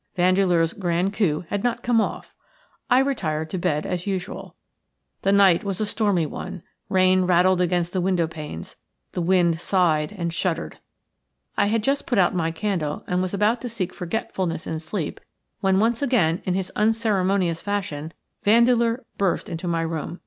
Vandeleur's grand coup had not come off. I retired to bed as usual. The night was a stormy one – rain rattled against the window panes, the wind sighed and shuddered. I had just put out my candle and was about to seek forgetfulness in sleep when once again in his unceremonious fashion Vandeleur burst into my room.